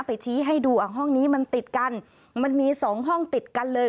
ชี้ให้ดูอ่ะห้องนี้มันติดกันมันมีสองห้องติดกันเลย